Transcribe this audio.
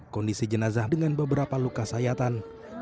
kondisi jenazah dengan beberapa luka sayatan